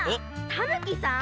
たぬきさん？